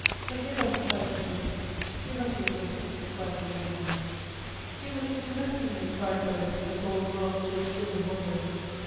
'Forgive us !' cried the maiden. 'Give us your blessing!' cried the young man. ' Give us your blessing !' they cried both, as all the world stood still in wonder.